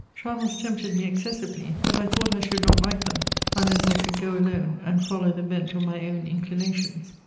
Travels tempted me excessively, but I thought I should not like them, unless I could go alone, and follow the bent of my own inclinations.